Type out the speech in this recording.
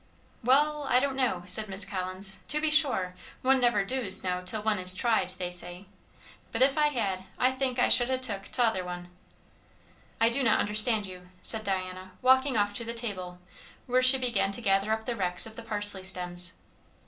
"Wall, I don' know," said Miss Collins; "to be sure, one never doos know till one is tried, they say; but if I had, I think I should ha' took 'tother one." "I do not understand you," said Diana, walking off to the table, where she began to gather up the wrecks of the parsley stems.